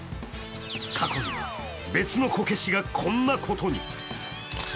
過去には、別のこけしがこんなことに。